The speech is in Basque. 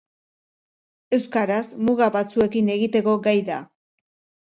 Euskaraz muga batzuekin egiteko gai da.